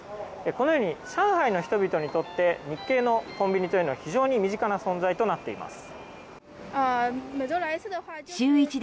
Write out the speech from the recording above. このように、上海の人々にとって日系のコンビニというのは非常に身近な存在となっています。